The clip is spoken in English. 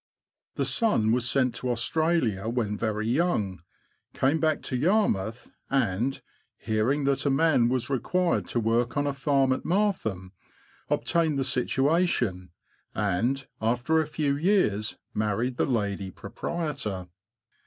The son was sent to Australia when very young ; came back to Yarmouth, and, hearing that a man was required to work on a farm at Martham, obtained the situation, and, after a few years, married the lady INTRODUCTORY. proprietor.